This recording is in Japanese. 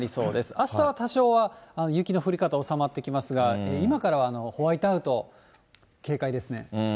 あしたは多少は雪の降り方収まってきますが、今からはホワイトアウト、警戒ですね。